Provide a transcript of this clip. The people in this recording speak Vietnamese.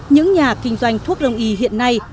những nhà kinh doanh thuốc rồng y hiện nay